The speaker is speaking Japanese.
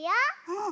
うん。